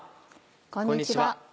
こんにちは。